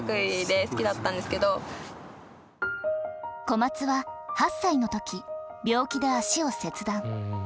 小松は８歳の時病気で足を切断。